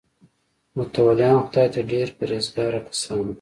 متولیان خدای ته ډېر پرهیزګاره کسان وو.